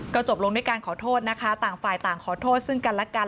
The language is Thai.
ก็จบลงด้วยการขอโทษนะคะต่างฝ่ายต่างขอโทษซึ่งกันและกัน